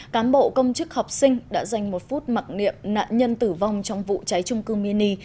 cán bộ công chức học sinh đã dành một phút mặc niệm nạn nhân tử vong trong vụ cháy trung cư mini